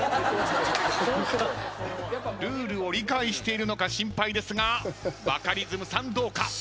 ルールを理解しているのか心配ですがバカリズムさんどうか？